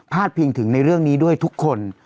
เพียงถึงในเรื่องนี้ด้วยทุกคน